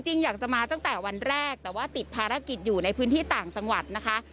จริงอยากจะมาตั้งแต่วันแรกแต่ว่าติดภารกิจอยู่ในพื้นที่ต่างจังหวัดนะคะ